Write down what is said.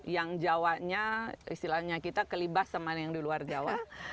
yang jawanya istilahnya kita kelibas sama yang di luar jawa